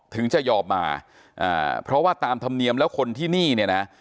ถึงจะยอมมาอ่าเพราะว่าตามธรรมเนียมแล้วคนที่นี่เนี่ยนะ